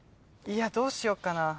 いやどうしよっかな。